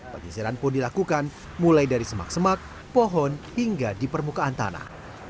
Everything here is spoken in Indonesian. penyisiran pun dilakukan mulai dari semak semak pohon hingga di permukaan tanah